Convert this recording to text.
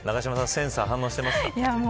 センサー反応してますか。